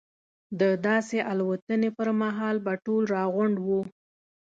د داسې الوتنې پر مهال به ټول راغونډ وو.